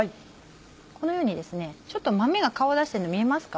このようにちょっと豆が顔を出してるの見えますか。